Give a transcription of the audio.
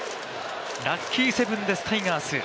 ラッキーセブンです、タイガース。